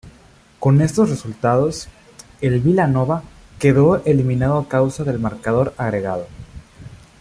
Con estos resultados, el Vila Nova quedó eliminado a causa del marcador agregado.